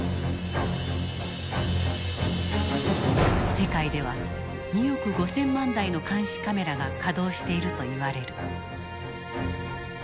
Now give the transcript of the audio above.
世界では２億５，０００万台の監視カメラが稼働しているといわれる。